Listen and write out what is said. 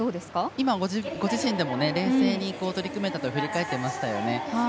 今、ご自身でも冷静に取り組めたと振り返っていましたよね。